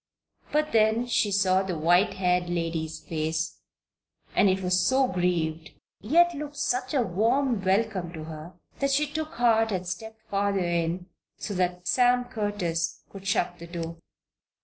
But then she saw the white haired lady's face, and it was so grieved, yet looked such a warm welcome to her, that she took heart and stepped farther in, so that Sam Curtis could shut the door.